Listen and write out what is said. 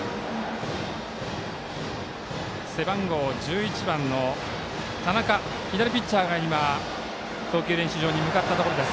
背番号１１番の田中左ピッチャーが投球練習場に向かったところです